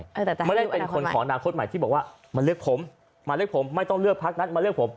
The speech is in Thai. แต่ไม่ได้เป็นคนของอนาคตใหม่ที่บอกว่ามาเลือกผมมาเลือกผมไม่ต้องเลือกพักนั้นมาเลือกผม